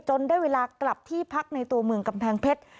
ได้เวลากลับที่พักในตัวเมืองกำแพงเพชร